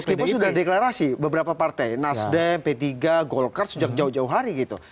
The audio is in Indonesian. meskipun sudah deklarasi beberapa partai nasdem p tiga golkar sejak jauh jauh hari gitu